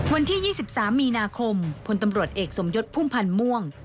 วันที่๒๓มีนาคมพลตำรวจเอกสมยศพุ่มพันธ์ม่วง